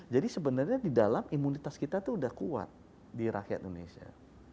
jadi sebenarnya di dalam imunitas kita itu sudah kuat di rakyat indonesia